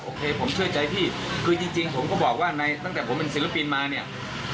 โอเคผมเชื่อใจพี่คือจริงผมก็บอกว่าในตั้งแต่ผมเป็นศิลปินมาเนี่ย